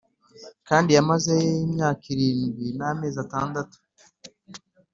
Kandi yamazeyo imyaka irindwi n amezi atandatu